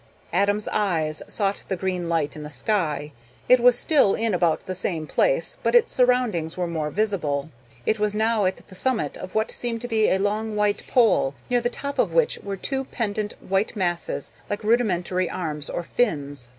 Adam's eyes sought the green light in the sky. It was still in about the same place, but its surroundings were more visible. It was now at the summit of what seemed to be a long white pole, near the top of which were two pendant white masses, like rudimentary arms or fins.